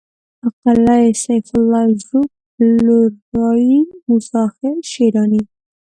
قلعه سيف الله ژوب لورلايي موسی خېل شېراني